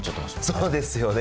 そうですね